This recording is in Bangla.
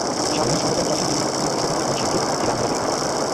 সামনের সমতল প্রাচীরটি তিনটি ছোট তীক্ষ্ণ ছিদ্রযুক্ত খিলান দ্বারা বিদ্ধ করা।